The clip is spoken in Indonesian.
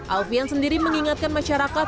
alfian sendiri mengingatkan masyarakat